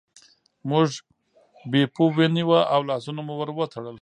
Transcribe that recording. موږ بیپو ونیوه او لاسونه مو ور وتړل.